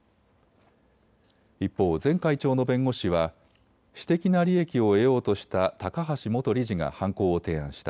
一方、前会長の弁護士は私的な利益を得ようとした高橋元理事が犯行を提案した。